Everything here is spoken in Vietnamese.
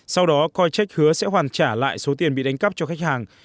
sau đó coincheck hứa sẽ hoàn trả lại số tiền bị đánh cắp cho khách hàng